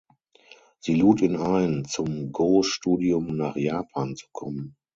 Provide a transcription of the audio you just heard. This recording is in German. Sie lud ihn ein, zum Go-Studium nach Japan zu kommen.